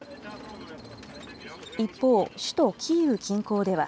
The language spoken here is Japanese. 一方、首都キーウ近郊では。